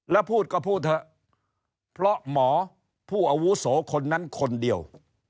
แล้วพูดก็พูดเถอะเพราะหมอผู้อาวุโสคนนั้นคนเดียว